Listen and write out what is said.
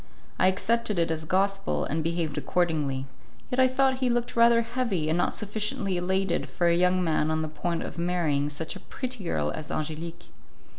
I accepted it as gospel, and behaved accordingly; yet I thought he looked rather heavy and not sufficiently elated for a young man on the point of marrying such a pretty girl as Angelique.